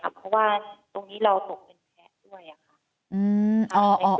เพราะว่าตรงนี้เราตกเป็นแพ้ด้วยค่ะ